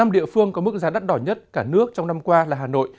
năm địa phương có mức giá đắt đỏ nhất cả nước trong năm qua là hà nội